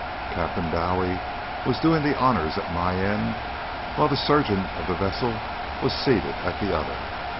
Captain Dowie was doing the honours at my end, while the surgeon of the vessel was seated at the other.